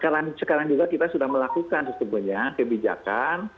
nah sekarang juga kita sudah melakukan sepertinya kebijakan